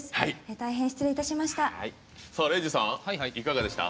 大変失礼いたしました。